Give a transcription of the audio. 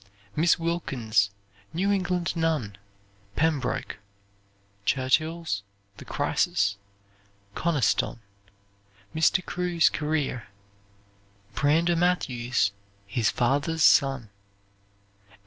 Miss Wilkins' "New England Nun," "Pembroke." Churchill's "The Crisis," "Coniston," "Mr. Crewe's Career." Brander Matthews' "His Father's Son."